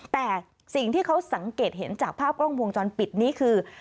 แต่สิ่งที่เขาสังเกตเห็นจากภาพกล้องวงจรปิดนี้คือ